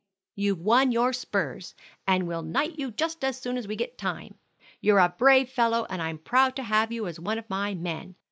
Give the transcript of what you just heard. "You've won your spurs, and we'll knight you just as soon as we get time. You're a brave fellow, and I'm proud to have you one of my men.